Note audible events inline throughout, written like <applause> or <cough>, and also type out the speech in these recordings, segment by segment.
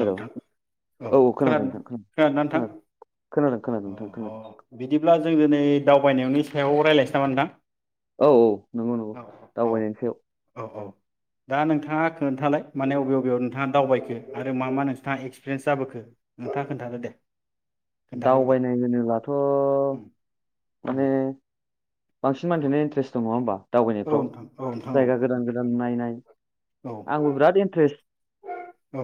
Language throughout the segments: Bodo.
हेल' औ औ खोनादों नोंथां खोनादों खोनादों खोनादों अ नोंथां ह खोनादों बिदिब्ला जों दिनै दाव दावबायनायनि सायाव रायज्लायनोसै नामा नोंथां? औ औ नंगौ नंगौ औ दावबायनायनि सायाव औ औ दा नोंथाङा खोन्थालाय माने अबे बबेयाव नोंथाङा दावबायखो आरो मा मा नोंथाङा एक्सपिरियेन्स जाबोखो नोंथाङा खोन्थादो दे खोन्थाग्रोदो दे। दावबायनाय होनोब्लाथ' उम उम माने बांसिन औ मानसियानो इन्टारेस दङ नङा होमबा? औ दावबायनायफ्राव नोंथां औ नोंथां औ जायगा गोदान गोदान नायनाय आंबो बिराद इन्टारेस्ट औ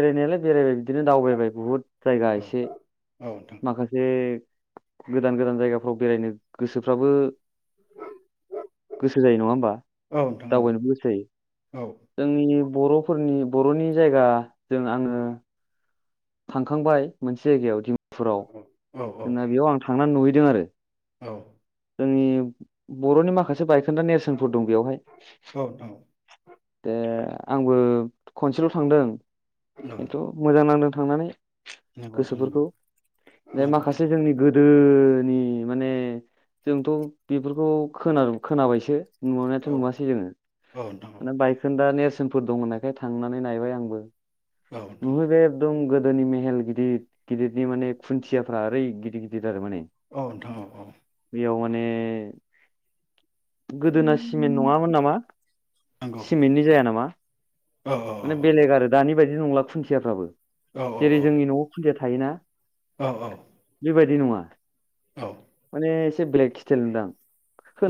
बेरायनायालाय बेरायो बिदिनो दावबायबाय बुहुद जायगा औ एसे औ नोंथां माखासे गोदान गोदान जायगाफ्राव बेरायनो गोसो फ्रावबो गोसो जायो नङा होमबा औ नोंथां औ दावबायनोबो गोसो जायो औ जोंनि बर'फोरनि बर'नि जायगा जों आङो थांखांबाय मोनसे जायगायाव दि फुराव औ औ जोंना बेयाव आं थांना नुहै दों आरो औ जोंनि बर'नि माखासे बाइक खोनदा नेरसोनफोर दं बेयावहाय नोंथां औ दे आंबो खनसेल' थांदों खिन्थु मोजां नांदों थांनानै नंगौ नोंथां नंगौ गोसोफोरखौ बे नंगौ माखासे नंगौ जोंनि गोदो निमाने जोंथ' बेफोरखौ खोनारोम खोनाबायसो नुनायाथ' औ नुवासै जोङो औ नोंथां औ दाना बाइकखोन दा नेर जोंफोरफोर दं होननायखाय थांनानै नायबाय आंबो औ नोंथां नुहैबाय एखदम गो दोनि मेेहेल गिदिर गिदिरनि माने खुन्थियाफ्रा ओरै गिदिर गिदिर औ नोंथां औ औ याव माने गोदोना सिमेन्ट नङामोन नामा? नंगौ सिमेन्टनि जाया नामा? औ माने बेलेग आरो दानि बायदि बे नंला खुन्थियाफ्राबो। औ जेरै जोंनि न'आव फुजायाथ थायोना। औ बेबायदि नङा। माने से बेलेग स्टेल नुदों।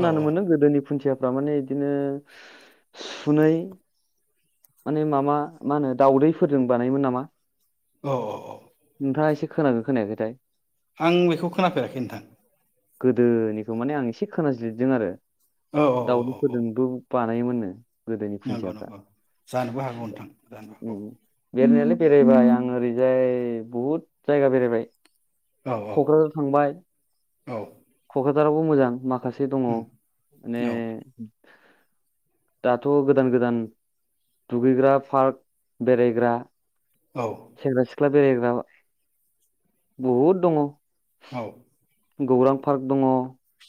औ मोनदों गोदोनि खुन्थिया माने बिदिनो सुनै। माने माबा मा होनो दाउदैफोरजों बानायोमोन नामा? औ औ औ। खोनादोंना खोनायाखैथाय। आं बेखौ खोनाफेराखै नोंथां। गोदोनिखौ माने आं एसे खोनासलिरदों आरो। औ औ औ औ औ दाउदैफोरजोंबो बानायोमोननो। गोदोनि नंगौ खुन्थियाफ्रा नंगौ जानो बेरायनायालाय हागौ बेरायबाय आं ओरै जाय बहुद जायगा बेरायबाय। क'क्राझार थांबाय औ क'क्राझार रावबो मोजां माख माखासे दङ उम माने औ दाथ' गोदान गोदान। दुगैग्रा पार्क बेरायग्रा औ सेंग्रा -सिख्ला बेरायग्रा बहुद दङ। औ। गौरां पार्क दङ।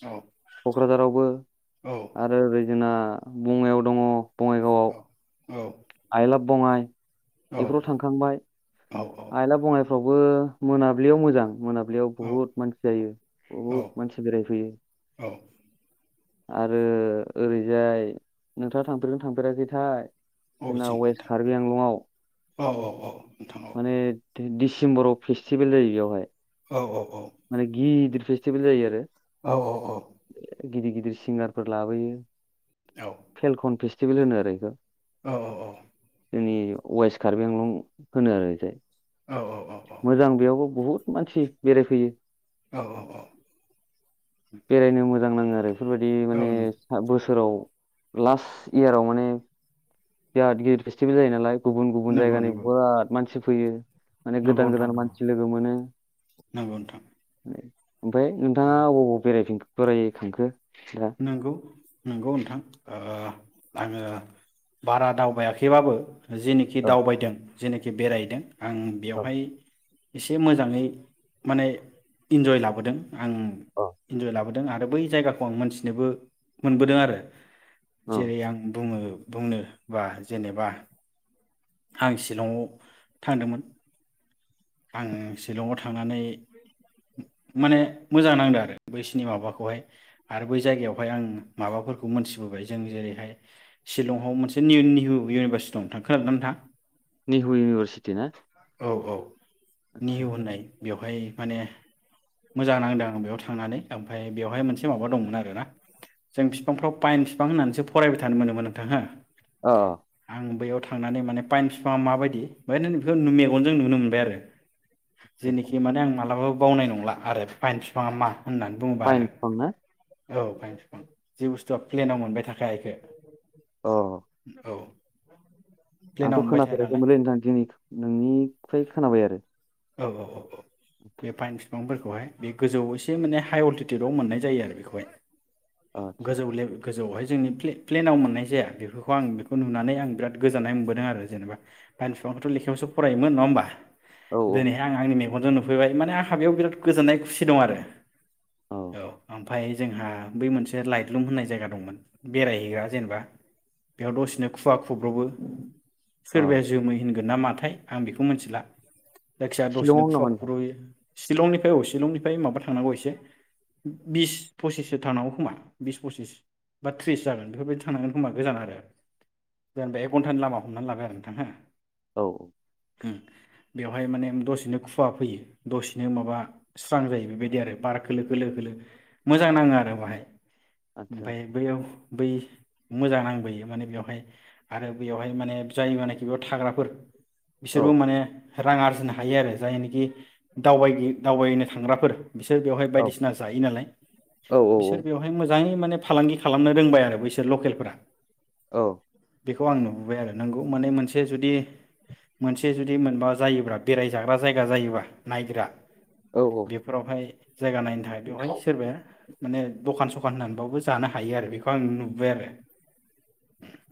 औ क'क्राझारावबो औ आरो ओरै जोंना बङाइआव दङ। औ। <inaudible> आइ‌ लाभ बङाइ। बेफोराव थांखांबाय औ आइ लाभ बङाइ फ्रावबो मोनाबिलियाव मोजां। मोनाबिलियाव औ बहुत मानसि जायो बहुद मानसि बेरायफैयो। आरो ओरैजाय नोंथाङा थांफेरदोंना थांफेराखैथाय। जोंना अबेथिं वेस्ट नोंथां कार्बि आंलंआव औ औ औ नोंथां औ माने दिसेम्बराव फेस्टिभेल जायो बेवहाय। औ औ। माने गिदिर फेस्टिभेल जायो आरो। औ औ औ। गिदिर गिदिर सिंगारफोर लाबोयो। फेलखन पेस टिभेल होनो आरो इखो। औ औ औ। जोंनि वेस्ट कार्बिआंलं होनो आरो ओयखौ। औ औ औ मोजां बेयावबो बहुद। मानसि बेरायफैयो। औ औ औ बेरायनो मो मोजां नाङो आरो। बेफोरबायदि औ माने <unintelligible> बोसोराव लास्ट इयाराव माने बिराद गिदिर फेस्टिभेल जायो नालाय। गुबुन गुबुन नोंगौ जायगानि नोंगौ। बिराद मानसि फैयो। माने गोदान गोदान मानसि लोगो मोनो। नंगौ नोंथां ओमफ्राय नोंथाङा अबाव अबाव बेरायफिनखो बोरै थांखो? नोंगौ नोंगौ नोंथां ओ आङो बारा दावबायाखैबाबो जिनिखि औ दावबायदों जेनिखि बेरायदों आं औ बेवहाय एसे मोजाङै माने इन्जय लाबोदों। आं औ इन्जय लाबो दों आरो बै जायगाखौ आं मोनथि नोबो मोनबोदों आरो औ जेरै आं बुङो बुंनो बा जेनेबा आं सिलङाव थांदोमोन आङो सिलङाव थांनानै माने मोजां नांदो आरो बैसोनि माबाखौहाय आरो बै जायगायावहाय आं माबाफोरखौ मोनथिबोबाय जों जेरैहाय शिलंआव मोनसे नि-निहु इउनिभारसिटि दं थां खोनादों ना नोंथां निहु इउनिभार्सिटि ना औ औ आदसा निहु होननाय बेवहाय माने मोजां नांदों आं बेयाव थांनानै ओमफ्राय बेवहाय मोनसे माबा दंमोन आरो ना जों बिफांफ्राव पाइेन फिफां होननानैसो फरायबाय थानो मोनोमोन नोंथां हो अ आं बैयाव थांनानै मान फाइन फिफाङा माबायदि बेवहाय नों बेखौ मेगनजों नुनो मोनबाय आरो जे निखि माने आं मालाबाबो बावनाय नंला आरो फाइन फिफाङा मा होनना बुङोबा आरो फाइन बिफां ना औ फाइन फां बिफां जे बुस्थुआ प्लेनाव मोनबाय थाखाया इखो अ औ <unintelligible> आंथ मोनबाय थाया नालाय खोनाफेराखैमोनलै नोंथां दिनै नोंनिफ्राय खोनाबाय आरो औ औ औ औ बे पाइन फि फांफोरखौहाय बे गोजौ एसे माने हाइ अर्टिकेटआव मोननाय जायो आरो बेखौहाय आदसा गोजौ ले गोजौआवहाय जोंनि पे-प्लेनाव मोननाय जाया बेफोरखौ आं बेखौ नुनानै आं बिराद गोजोननाय मोनबोदों आरो जेनेबा पाइन बिफांखौथ लेखायावसो फरायोमोन नङा होमबा औ दोनै हाय आं आंनि गनजों नुफैबाय माने आंहा बेयाव बिराद गोजोननाय खुसि दं आरो औ ओमफाय जोंहा बै मोनसे लाइटलुम होननाय जायगा दंमोन बेरायहैया जेनेबा बेयाव दसेनो खुवा खब्र'बो औ फेर बाय जोमैहोन होगोन ना माथाय आं बेखौ मिथिला जायखिजाया द'सेनो शिलंआव खुवा नामा नोंथां खुर'यो शिलंनिफ्राय औ शिलंनिफ्राय माबा थांनांगौ एसे बिस पसिससो थांनांगौ खोमा बिस पसिस बा थ्रिस जागोन बेफोरबायदि थांनांगोन खोमा गोजान आरो जेनेबा एक घन्टानि लामा हमनानै लाबाय आरो नोंथां हो औ औ हुम बेयाव हाय माने दसेनो खुवा फैयो दसेनो माबा स्रां जायो बेबायदि आरो बार खोलो खोलो खोलो मोजां नाङो आरो बाहाय आदसा ओमफफ्राय बैयाव बै मोजां नांबोयो माने बेवहाय आरो बैयावहाय माने जायबानाखि बेयाव थाग्राफोर औ बिसोरबो माने रां आरजिनो हायो आरो जायनोखि दावबायगि दावबायनो थांग्राफोर बिसोर बेवहाय औ बायदिसिना जायो नालाय औ औ बिसोर बेवहाय मोजाङै माने फालांगि खालामनो रोंबाय आरो बैसोर लकेलफोरा औ बिखौ आं नुबोबाय आरो नोंगौ माने मोनसे जुदि मोनसे जुदि मोनबा जायोब्ला बेराय जाग्रा जायगा जायोब्लाा नायग्रा औ औ बेफोरावहाय जायगा नायनो थाखाय बेवहाय सोरबाया माने दखान सखान होनानैबावबो जानो हायो आरो बिखौ आं नुबाय आरो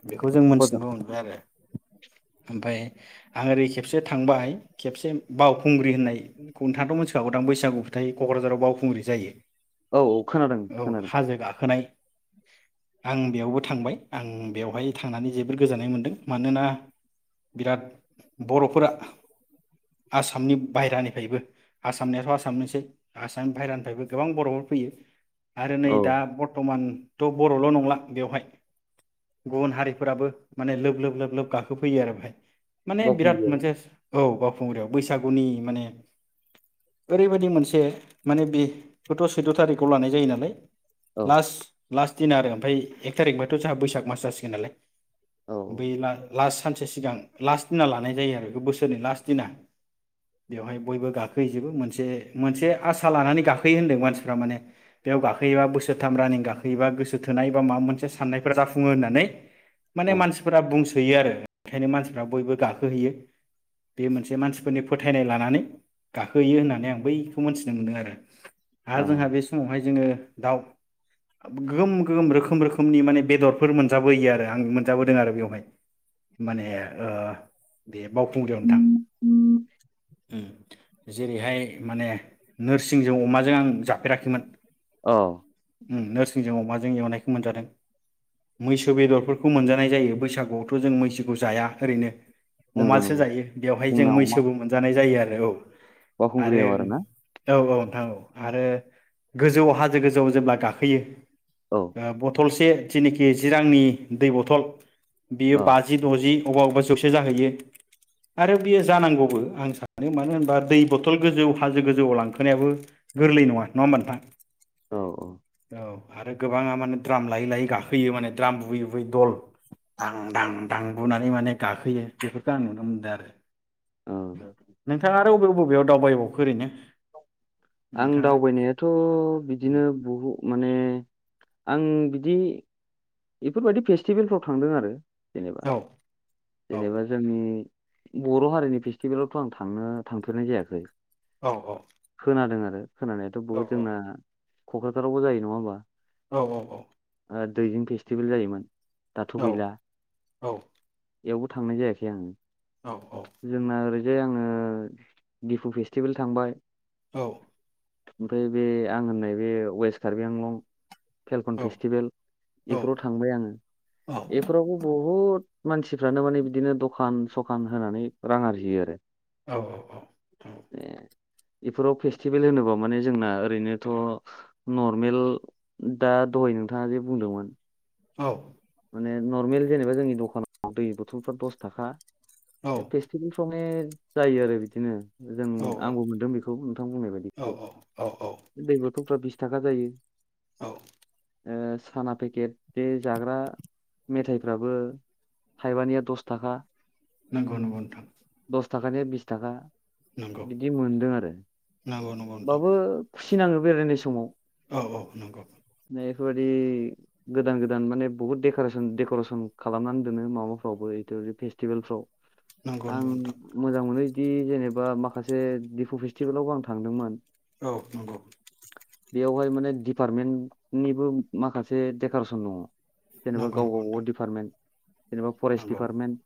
बिखौ जों हजों मोनथिनोबो मोनबाय आरो ओमफाय आं ओरै खेबसे थांबाहाय खेबसे बावखुंग्रि होननाय खुंथाङाथ' मोनथिखागौदां बैसागु फोथायो क'क्राझाराव बावखुंग्रि जायो औ औ खोनादों औ खोनादों हाजो गाखोनाय आं बेयावबो थांबाय आं बेवहाय थांनानै जोबोद गोजोननाय मोनदों मानोना बिराद बर'फोरा आसामनि बाहेरानिफ्रायबो आसामनियाथ' आसामनिसै आसाम बाहेरानिफ्रायबो गोबां बर'फोर फैयो आरो नै दा औ बरटमान ट' बर'ल' नंला बेवहाय गुबुन हारिफोराबो माने लोब लोब लोब लोब गाखोफैयो आरो बेहाय माने बिराद बावखुंग्रियाव मोनसेस औ बावखुंग्रियाव बैसागुनि माने ओरैबायदि मोनसे माने बे खौथ' सैद' थारिखआव लानाय जायो नालाय औ लास लास दिन आरो ओमफ्राय एक थारिख बथ' जोंहा बैसाग मास जासिगोन नालाय औ बेला लास्ट सानसे सिगां लास्ट दिना लानाय जायो आरो बेखौ बोसोर दोनै लास्ट दिना बेवहाय बयबो गाखो है जोबो मोनसे मोनसे आसा लानानै गाखोयो होनदों मानसिफोरा माने बेयाव गाखोयोबा बोसोर थाम रानिं गोसो थोनाय बा माबा मोनसे साननायफोरा जाफुङो होननानै माने औ मानसिफोरा बुंस थोयो आरो ओंखायनो मानसिफ्रा बयबो गाखोहैयो। बे मोनसे मानसिफोरनि फोथायनाय लानानै गाखोहोयो होननानै आं बैखौ मोन्थिनो मोनदों आरो। आरो जोंहा औ बे समावहाय जोङो। दाउ गोम गोम रोखोम रोखोमनि माने बेदरफोर मोनजाबोयो आरो आं मोनजाबोदों आरो बेवहाय माने ओ बे बाव फुंग्रियाव नोंथां उ जेरैहाय माने नोरसिंजों अमाजों आं जाफेराखैमोन। औ उम नोरसिंजों अमाजो। जों एवनायखौ मोनजादों मैसो बेदरफोरखौ मोनजानाय जायो बैसागुआवथ' जों मैसोखौ जाया ओरैनो। नंगौ नों अमासो जायो बेवहाय जों मैसोबो मोनजानाय जायो आरो। औ आरो बावखुंग्रियाव आरोना औ- औ-नोंथां औ। आरो गोजौआव हाजो गोजौआव जेब्ला गाखोयो। औ ओ बथलस। से जेनिखि जिरांनि दै बथल। बेयो औ बाजि दजि। अबा अबा जौसे जाहैयो। आरो बियो जानांगौबो आं सानो मानो होनबा दै बथल गोजौ हाजो गोजौ लांखोनायाबो गोरलै नंङा नंङा होमबा नोंथां। औ औ आरो गोबांङा माने द्राम लायै लायै गाखोयो माने द्राम बुुयै बुयै दल। आं दां दां दां बुनानै माने। गाखोयो बे। आं नुनो मोनदों आरो। औ। नोंथाङा आरो बबे बबेयाव दावबाय बावखो ओैरैनो। आं दावबायनायाथ बिदिनो बहुद माने। आं बिदि। बेफोरबायदि फेस्टिभेलफ्राव थांदों आरो। जेनेबा औ औ जेनेबा जोंनि। बर हारिनि फेस्टिभेलावथ आं थांनो थांफेरनाय जायाखै। औ औ खोनादों आरो। खोनानायाथ औ बहुद जोंना। कक्राझारावबो जायो नंङा होमबा। औ- औ -औ-। ओ दैजों फेस जायोमोन दाथ औ गैला । बेयावबो थांनाय जायाखै आंङो औ । जोंना ओरै जे आंङो दिफु फेस्टिभेल थांबाय। औ। ओमफ्राय बे आं होननाय बे वेस्ट कार्बि आंलं फेलखन औ फेस्टिभेल औ एफोराव थांबाय आंङो एफोरावबो बहुद हुद मानसिफ्रानो माने बिदिनो दखान सखान होनानै रां आरजियोआरो। औ औ औ औ बेफोराव फेस्टिभेल होनोबा माने जोंना ओरैनोथ' नर्मेल दा दहाय नोंथाङा जे बुंदोंमोन औ माने नर्मेल जेनेबा जोंनि दखानाव दै बथलफ्रा दस थाखा फेस्टिभेल <unintelligible> जायो आरो बिदिनो। जों आंबो मोनदों बेखौ नोंथां बुंनाय बायदि बेखौ औ औ दै बथलफ्रा बिस थाखा जायो। औ ओ साना पेकेट बे जाग्रा मेथायाइफ्राबो थाइबानिया दस थाखा। नंगौ नंगौ नोथां। दस थाखानिया बिस थाखा। बिदि मोनदों आरो नंगौ नंगौ नोंथां बाबो सिन आङो बेरायनाय समाव औ औ नंगौ। बेफोरबायदि गोदान गोदान माने बहुत दे करेसन, देकरेसन खालामनानै दोनो माबाफ्रावबो इथ' फेस्टिभेलफ्राव। नंगौ नंगौ आं नोंथां मोजां मोनो बिदि जेनेबा माखासे दिफु फेस्टिभेलावबो आं थांदोंमोन। औ नंगौ। बे डिपार्टमेन्टनिबो माखासे डेक'रेसन दङ। जेनेबा नंगौ नंगौ गाव नोंथां गावबागाव डिपार्टेमेन्ट। जेनेबा फरेस्ट नंगौ दिपार्टमेन्ट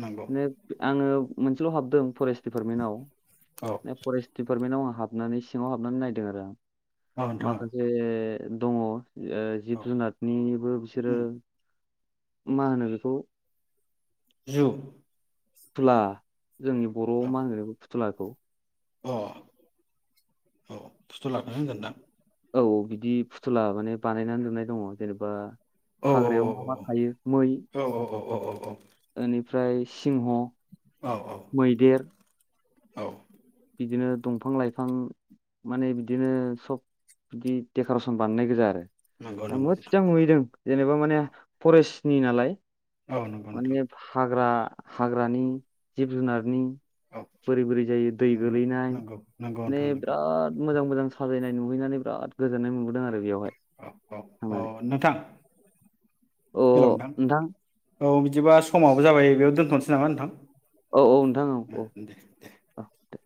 नंगौ बिदिनो आङो मोनसेल' हाबदों फरेस्ट औ दिपार्टमेन्टआव <unintelligible> फरेस्ट दिपार्टमेन्टाव आं हाबनानै सिङाव हाबनानै नायदों आरो। औ नोंथां माखासे दङ ओ जिब जुनारनिबो उ मा होनो बेखौ जु थुला जोंनि बर'आव मा होनो फुथुला खौ अ औ फुथुलाखौनो होनगोनदां औ औ बिदि फुथुला माने बानायनानै दोननाय दङ जेनेबा औ औ औ हाग्रायाव मा मा थायो मै <unintelligible> एनिफ्राय सिंह औ मैदेर औ बिदिनो दंफां लाइफां माने बिदिनो सब बिदि देक'रेसन बानायनाय गोजा नंगौ आरो नंगौ नोंथां मोजां नुहैदों जेनेबा माने फरेस्ट सनि नालाय औ नंगौ नोंथां माने फाग्रा हाग्रानि जिब जुनारनि औ बोरै बोरै जायो नंगौ गोलैनाय नंगौ नंगौ माने नोंथां नंगौ बिराद मोजां मोजां साजायनाय नुहैनानै बिराद गोजोननाय मोनबोदों आरो आरो बेयावहाय औ थांनानै अ हेलौ नोंथां औ बिदिबा समाबो जाबाय बेयाव दोनथ'नोसै नामा नोंथां। औ औ नोंथां औ दे औ औ दे